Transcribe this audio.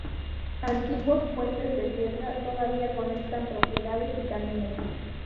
Antiguos puentes de piedra todavía conectan propiedades y caminos.